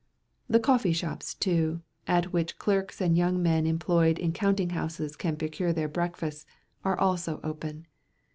The coffee shops too, at which clerks and young men employed in counting houses can procure their breakfasts, are also open.